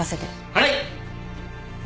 はい！